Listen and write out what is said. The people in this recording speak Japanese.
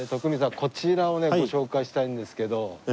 こちらをねご紹介したいんですけど。